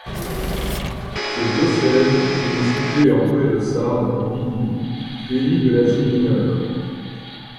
Ce diocèse était situé en près de Sardes en Lydie, pays de l'Asie mineure.